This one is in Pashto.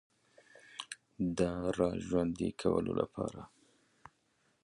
د را ژوندۍ کولو لپاره